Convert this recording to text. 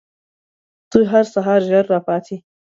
ته هر سهار ژر راپاڅې؟